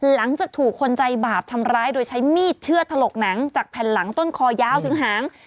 หลังจากถูกคนใจบาปทำร้ายโดยใช้มีดเชื่อถลกหนังจากแผ่นหลังต้นคอยาวถึงหาง